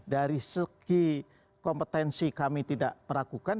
dari segi kompetensi kami tidak perakukan